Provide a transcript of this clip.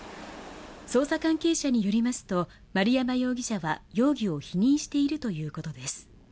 捜査関係者によりますと丸山容疑者は容疑を否認しているということです。